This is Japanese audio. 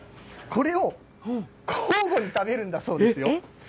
これを交互に食べるんだそうですよ。